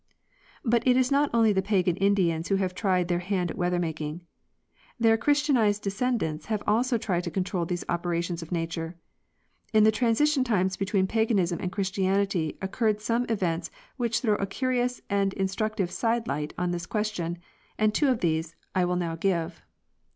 But it is not only the pagan Indians who have tried their hand at weather making. Their christianized descendants have also tried to control these operations of nature. In the transi tion times between paganism and Christianity occurred some events which throw a curious and instructive side light on this question, and two of these I will now give.